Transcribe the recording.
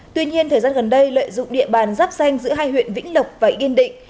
tuy nhiên thời gian gần đây lợi dụng địa bàn giáp danh giữa hai huyện vĩnh lộc và yên định